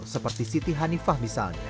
seperti siti hanifah misalnya